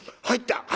「入った！